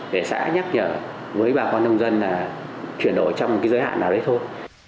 để xã nhắc nhở với bà con nông dân là chuyển đổi trong một cái giới hạn nào đấy thôi